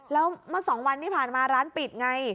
แล้วเมื่อ๒วันที่ผ่านมาร้านปิดไง